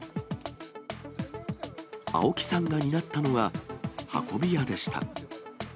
青木さんが担ったのが運び屋でした。